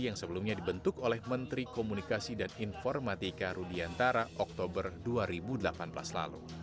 yang sebelumnya dibentuk oleh menteri komunikasi dan informatika rudiantara oktober dua ribu delapan belas lalu